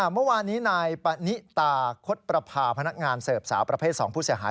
เมื่อวานนี้นายปณิตาคดประพาพนักงานเสิร์ฟสาวประเภท๒ผู้เสียหาย